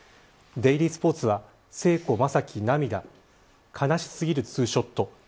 デイリースポーツは聖子、正輝、涙悲しすぎるツーショット。